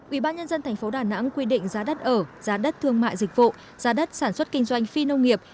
ubnd tp đà nẵng quy định giá đất ở giá đất thương mại dịch vụ giá đất sản xuất kinh doanh phi nông nghiệp